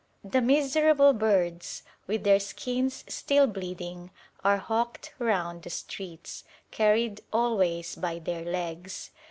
The miserable birds, with their skins still bleeding, are hawked round the streets, carried always by their legs.